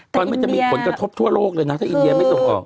ตอนนี้จะมีผลกระทบทั่วโลกเลยนะถ้าอินเดียไม่ส่งออก